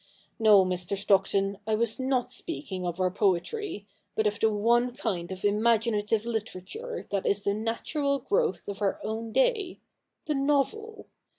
No, Mr. Stockton, I was not speaking of our poetry, but of the one kind of imaginative literature that is the natural growth of our own day, the novel.